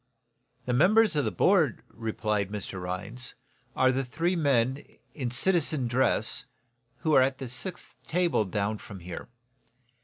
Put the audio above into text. "The members of the board," replied Mr. Rhinds, "are the three men, in citizen dress, who are at the sixth table down from here.